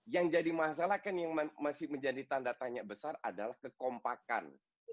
yang jadi masalah kan yang masih menjadi tanda tanya besar adalah kekompakan